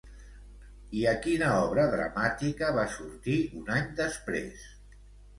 I a quina obra dramàtica va sortir un any després?